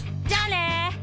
じゃあね！